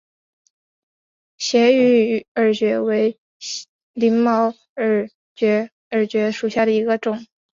斜羽耳蕨为鳞毛蕨科耳蕨属下的一个种。